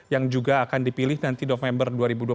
yang juga akan dipilih nanti november dua ribu dua puluh